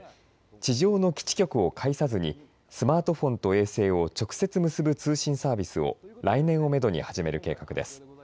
地上の基地局を介さずにスマートフォンと衛星を直接結ぶ通信サービスを来年をめどに始める計画です。